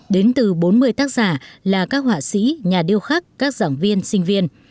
đến từ bốn mươi tác giả là các họa sĩ nhà điêu khắc các giảng viên sinh viên